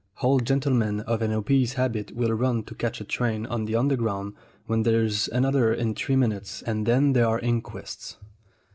Old gentlemen of an obese habit will run to catch a train on the Underground when there is another in three minutes, and then there are inquests.